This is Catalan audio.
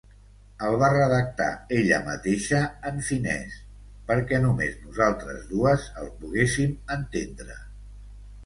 El va redactar ella mateixa, en finès perquè només nosaltres dues el poguéssim entendre.